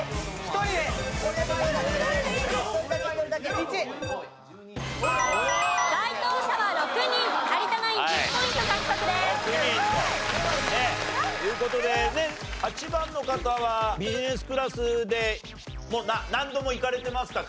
６人という事で８番の方はビジネスクラスで何度も行かれてますか？